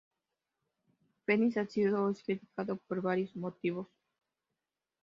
Fenix ha sido o es criticado por varios motivos.